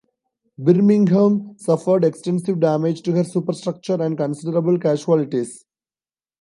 "Birmingham" suffered extensive damage to her superstructure and considerable casualties.